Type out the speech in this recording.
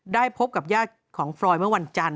ได้พบกับย่าของฟรอยด์เมื่อวันจันทร์